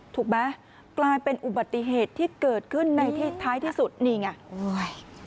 ถูกไหมกลายเป็นอุบัติเหตุที่เกิดขึ้นในที่ท้ายที่สุดนี่ไง